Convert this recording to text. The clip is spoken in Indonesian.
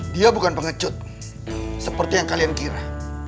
dia bukan pengecut seperti yang kalian kira